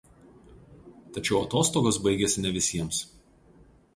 Tačiau atostogos baigiasi ne visiems.